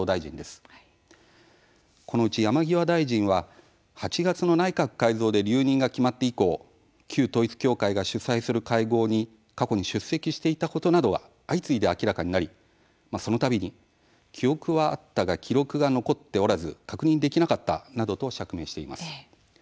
このうち山際大臣は、８月の内閣改造で留任が決まって以降旧統一教会が主催する会合に過去に出席していたことなどが相次いで明らかになり、その度に記憶はあったが記録が残っておらず、確認できなかったなどと釈明しています。